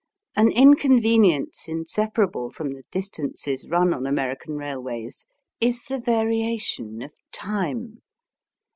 An inconvenience inseparable from the dis tances run on American railways is the variation of time.